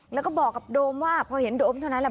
แล้วก็บอกกับโดมว่าพอเห็นโดมเท่านั้นแหละ